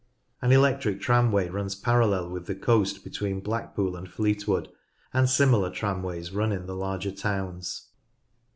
An electric tramway runs parallel with the coast between Blackpool and Fleetwood, and similar tramways run in the larger towns.